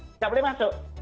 tidak boleh masuk